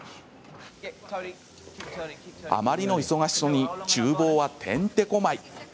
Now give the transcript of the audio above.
あまりの忙しさにちゅう房は、てんてこまい。